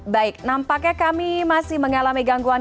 baik nampaknya kami masih mengalami gangguan